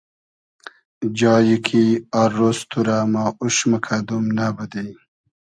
جای کی آر رۉز تو رۂ ما اوش موکئدوم نئبودی